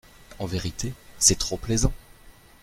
En vérité, c'est trop plaisant !